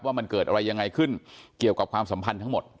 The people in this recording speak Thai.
ว่ามันเกิดอะไรยังไงขึ้นเกี่ยวกับความสัมพันธ์ทั้งหมด